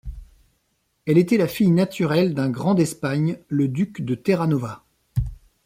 Elle était la fille naturelle d'un Grand d'Espagne, le duc de Terranova.